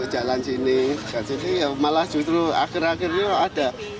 jadi ya malah justru akhir akhirnya ada